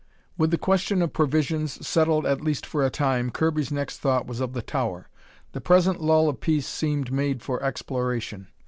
With the question of provisions settled at least for a time, Kirby's next thought was of the tower. The present lull of peace seemed made for exploration.